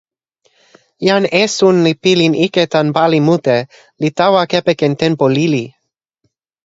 jan esun li pilin ike tan pali mute, li tawa kepeken tenpo lili.